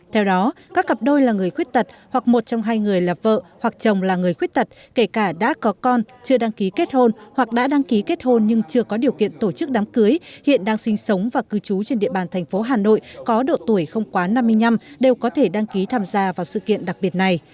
theo đó các cặp đôi là người khuyết tật hoặc một trong hai người là vợ hoặc chồng là người khuyết tật kể cả đã có con chưa đăng ký kết hôn hoặc đã đăng ký kết hôn nhưng chưa có điều kiện tổ chức đám cưới hiện đang sinh sống và cư trú trên địa bàn thành phố hà nội có độ tuổi không quá năm mươi năm đều có thể đăng ký tham gia vào sự kiện đặc biệt này